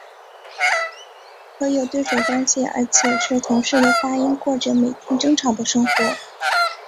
和有对手关系而且是同室的花音过着每天争吵的生活。